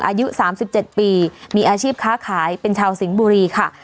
อายุ๓๗ปีมีอาชีพค้าขายเป็นชาวสิงห์บุรีค่ะ